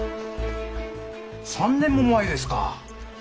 ３年も前ですか。